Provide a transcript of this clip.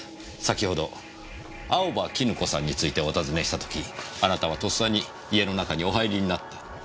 先ほど青葉絹子さんについてお尋ねした時あなたは咄嗟に家の中にお入りになった。